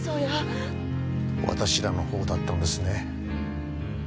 私らの方だったんですね。